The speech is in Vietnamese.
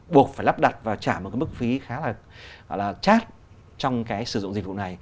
buộc phải lắp đặt và trả một cái mức phí khá là chát trong cái sử dụng dịch vụ này